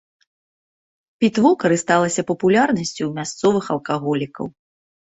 Пітво карысталася папулярнасцю ў мясцовых алкаголікаў.